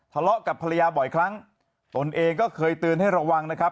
ทะเลาะกับภรรยาบ่อยครั้งตนเองก็เคยเตือนให้ระวังนะครับ